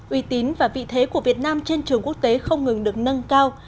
uy tín và vị thế của việt nam trên trường quốc tế không ngừng được nâng cao